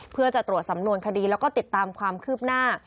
เพื่อจะตรวจสำนวนคดีแล้วก็ติดตามความคืบหน้า